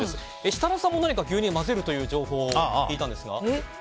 設楽さんも何か牛乳と混ぜるという情報を聞いたんですが。